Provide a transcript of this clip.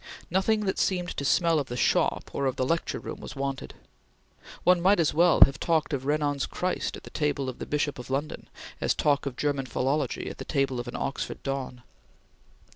Nothing that seemed to smell of the shop or of the lecture room was wanted. One might as well have talked of Renan's Christ at the table of the Bishop of London, as talk of German philology at the table of an Oxford don.